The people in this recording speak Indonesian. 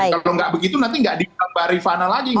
kalau nggak begitu nanti nggak di bari rifana lagi